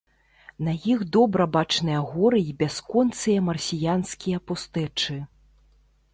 На іх добра бачныя горы і бясконцыя марсіянскія пустэчы.